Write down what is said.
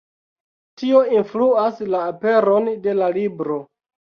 Tio influas la aperon de la libro.